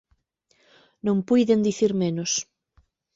Non puiden dicir menos.